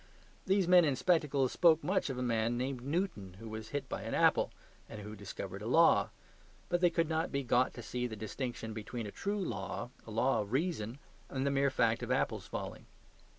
These men in spectacles spoke much of a man named Newton, who was hit by an apple, and who discovered a law. But they could not be got to see the distinction between a true law, a law of reason, and the mere fact of apples falling.